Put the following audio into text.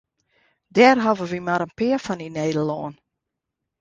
Dêr hawwe wy mar in pear fan yn Nederlân.